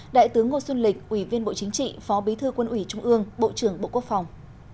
đại tướng ngô xuân lịch ủy viên bộ chính trị phó bí thư quân ủy trung ương bộ trưởng bộ quốc phòng